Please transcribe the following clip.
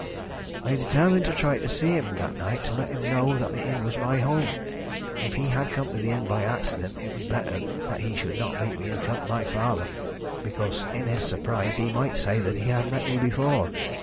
"I determined to try and see him that night to let him know that the inn was my home. If he had come to the inn by accident it was better that he should not meet me in front of my father, because in his surprise he might say that he had met me before.